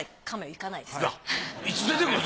いかないです。